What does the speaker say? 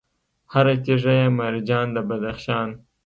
هر تیږه یې مرجان د بدخشان